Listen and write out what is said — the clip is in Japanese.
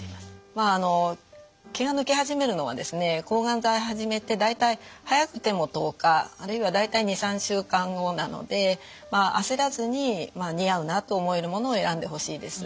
まああの毛が抜け始めるのはですね抗がん剤始めて大体早くても１０日あるいは大体２３週間後なのであせらずに似合うなと思えるものを選んでほしいです。